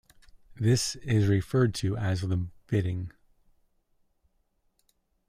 This is referred to as the bitting.